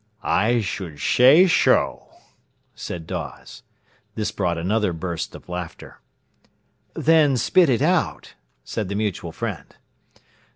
"I should shay sho," said Dawes. This brought another burst of laughter. "Then spit it out," said the mutual friend.